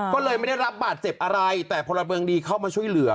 ก็เลยไม่ได้รับบาดเจ็บอะไรแต่พลเมืองดีเข้ามาช่วยเหลือ